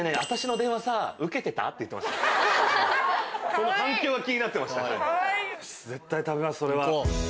その反響が気になってました。